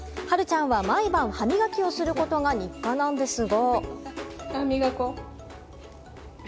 はるちゃんは毎晩歯磨きをすることが日課なんですが。